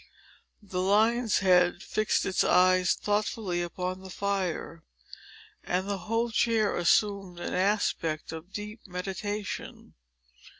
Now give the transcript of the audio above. The lion's head fixed its eyes thoughtfully upon the fire, and the whole chair assumed an aspect of deep meditation.